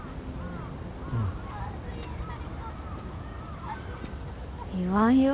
うん言わんよ